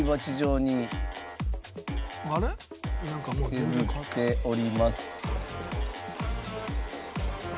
削っております。